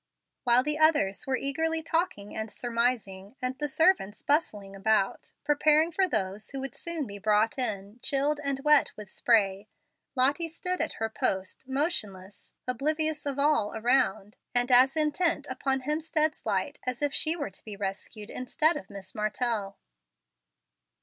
While the others were eagerly talking and surmising, and the servants bustling about, preparing for those who would soon be brought in, chilled and wet with spray, Lottie stood at her post motionless, oblivious of all around, and as intent upon Hemstead's light as if she were to be rescued instead of Miss Martell.